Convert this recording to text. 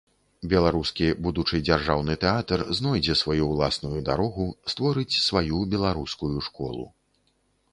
Беларускі будучы дзяржаўны тэатр знойдзе сваю ўласную дарогу, створыць сваю беларускую школу.